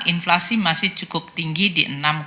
inflasi masih cukup tinggi di enam dua